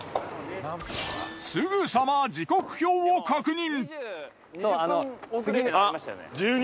すぐさま時刻表を確認。